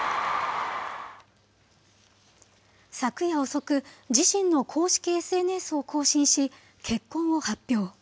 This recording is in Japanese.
昨夜遅く、自身の公式ＳＮＳを更新し、結婚を発表。